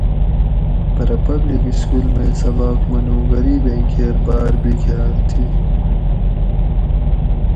پرہ پبلِک سکول مئ سباٞق منُوگ غریبیں کیر باٞر بِکھاٞر تھی